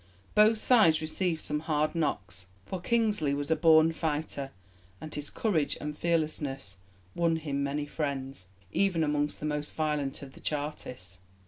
Both sides receive some hard knocks, for Kingsley was a born fighter, and his courage and fearlessness won him many friends, even among the most violent of the Chartists.